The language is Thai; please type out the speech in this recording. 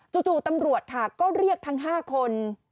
จู่ตำรวจค่ะก็เรียกทั้ง๕คน